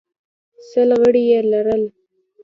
سل غړي یې لرل